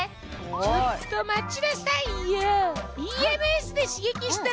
ちょっと待ちなさいよ